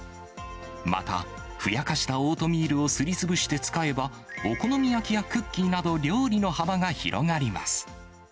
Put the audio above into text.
また、ふやかしたオートミールをすり潰して使えば、お好み焼きやクッキーなど、料理の幅が広がります。